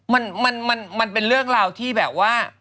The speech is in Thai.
มันมันเป็นเรื่องราวที่แบบว่า